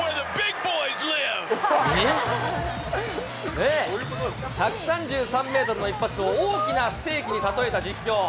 ね、１３３メートルの一発を大きなステーキに例えた実況。